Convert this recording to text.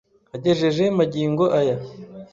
Agejeje magingo aya